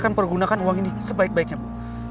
dan pergunakan uang ini sebaik baiknya bu